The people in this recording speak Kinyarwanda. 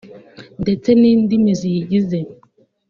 ndetse n’indimi ziyigize